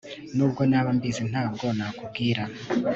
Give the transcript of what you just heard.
Nubwo naba mbizi ntabwo nakubwira